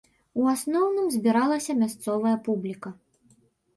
У асноўным збіралася мясцовая публіка.